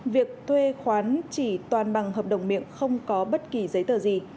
việc thuê khoán chỉ toàn bằng hợp đồng miệng không có bất kỳ giấy tờ gì